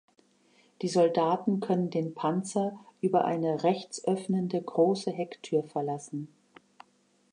Die Soldaten können den Panzer über eine rechts öffnende große Hecktür verlassen.